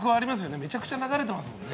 めちゃくちゃ流れてますもんね。